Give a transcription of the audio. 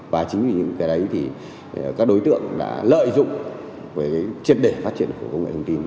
và chính vì những cái đấy thì các đối tượng đã lợi dụng với chiến đề phát triển của công nghệ thông tin